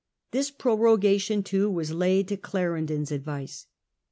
This pro rogation, too, was laid to Clarendon's advice.